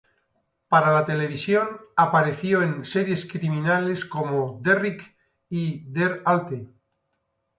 Para la televisión apareció en series criminales como "Derrick" y "Der Alte".